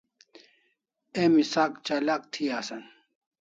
Emi sak chalak thi asan